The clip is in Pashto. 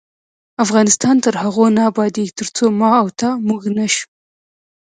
افغانستان تر هغو نه ابادیږي، ترڅو ما او تا "موږ" نشو.